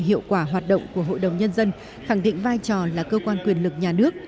hiệu quả hoạt động của hội đồng nhân dân khẳng định vai trò là cơ quan quyền lực nhà nước